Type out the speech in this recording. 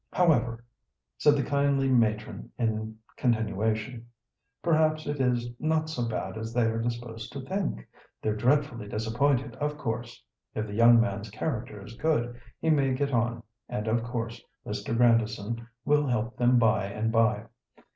"However," said the kindly matron in continuation, "perhaps it is not so bad as they are disposed to think. They're dreadfully disappointed, of course. If the young man's character is good, he may get on, and of course Mr. Grandison will help them by and by.